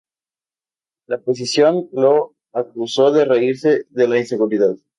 La oposición lo acusó de reírse de la inseguridad.